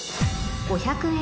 ５００円